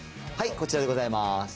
こちらでございます。